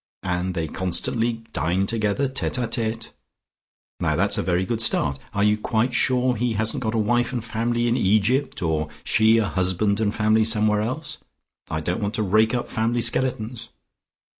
And they constantly dine together tete a tete. Now that's a very good start. Are you quite sure he hasn't got a wife and family in Egypt, or she a husband and family somewhere else? I don't want to rake up family skeletons."